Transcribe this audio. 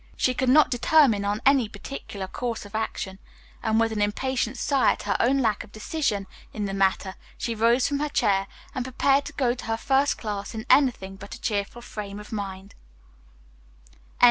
She could not determine on any particular course of action, and with an impatient sigh at her own lack of decision in the matter she rose from her chair and prepared to go to her first class in anything but a cheerful frame of mind.